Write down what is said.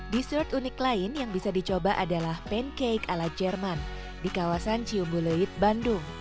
dessert unik lain yang bisa dicoba adalah pancake ala jerman di kawasan ciumbu leid bandung